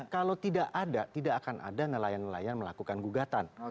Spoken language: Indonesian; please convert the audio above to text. kalau tidak ada tidak akan ada nelayan nelayan melakukan gugatan